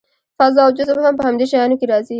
فضا او جسم هم په همدې شیانو کې راځي.